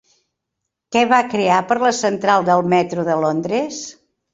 Què va crear per la central del metro de Londres?